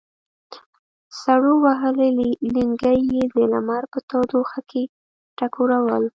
سړو وهلي لېنګي یې د لمر په تودوخه کې ټکورول.